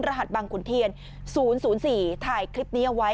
รหัสบังคุณเทียนศูนย์ศูนย์สี่ถ่ายคลิปนี้เอาไว้